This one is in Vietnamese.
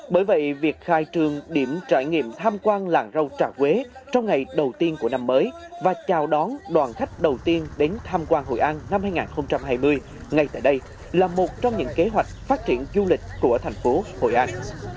bởi vậy việc khai trường điểm trải nghiệm tham quan làng rau trà quế trong ngày đầu tiên của năm mới và chào đón đoàn khách đầu tiên đến tham quan hội an năm hai nghìn hai mươi ngay tại đây là một trong những kế hoạch phát triển du lịch của thành phố hội an